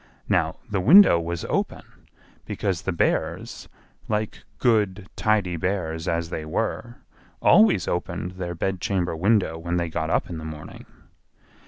Now the window was open, because the Bears, like good, tidy bears as they were, always opened their bedchamber window when they got up in the morning.